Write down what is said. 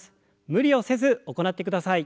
無理をせず行ってください。